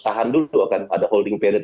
tahan dulu akan ada holding perid